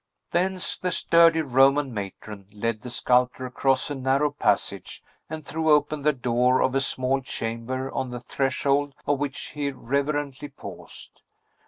Thence, the sturdy Roman matron led the sculptor across a narrow passage, and threw open the door of a small chamber, on the threshold of which he reverently paused.